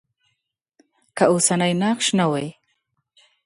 که اوسنی نقش نه وای.